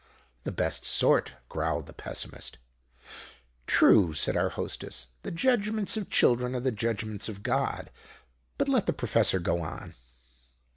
"The best sort," growled the Pessimist. "True," said our Hostess. "The judgments of children are the judgments of God. But let the Professor go on."